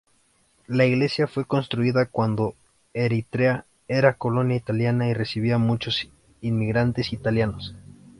La iglesia fue construida cuando Eritrea era colonia italiana y recibía muchos inmigrantes italianos.